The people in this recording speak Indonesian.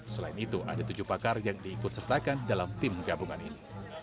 selain itu ada tujuh pakar yang diikut sertakan dalam tim gabungan ini